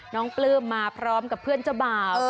ปลื้มมาพร้อมกับเพื่อนเจ้าบ่าว